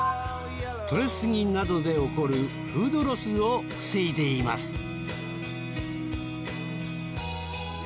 採れすぎなどで起こるフードロスを防いでいます。